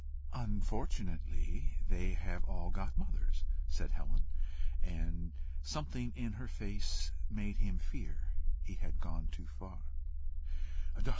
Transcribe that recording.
"Unfortunately they have all got mothers," said Helen; and something in her face made him fear he had gone too far.